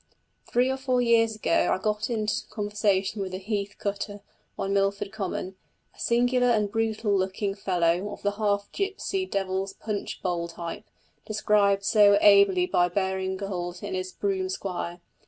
Three or four years ago I got in conversation with a heath cutter on Milford Common, a singular and brutal looking fellow, of the half Gypsy Devil's Punch Bowl type, described so ably by Baring Gould in his Broom Squire.